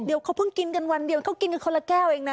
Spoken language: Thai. เดี๋ยวเขาเพิ่งกินกันวันเดียวเขากินกันคนละแก้วเองนะ